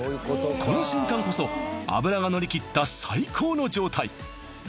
この瞬間こそ脂がのりきった最高の状態